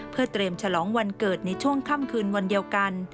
เพื่อเตรียมฉลองวันเกิดในช่วงค่ำคืนวันเดียวกัน